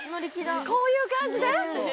こういう感じで？